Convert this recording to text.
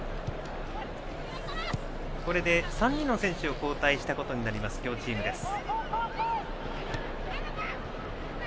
これで３人の選手を交代したことになる両チームです。